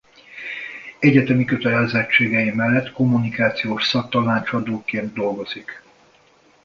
Egyetemi kötelezettségei mellett kommunikációs szaktanácsadóként dolgozik.